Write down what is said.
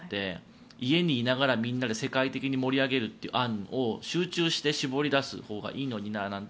家にいながら世界的に盛り上げるという案を集中して絞り出すほうがいいのにななんて